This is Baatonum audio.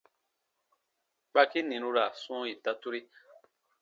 Kpaki ni nu ra sɔ̃ɔ ita turi.